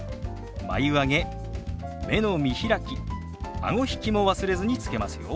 眉上げ目の見開きあご引きも忘れずにつけますよ。